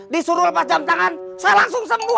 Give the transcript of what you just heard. disuruh lepas jam tangan saya langsung sembuh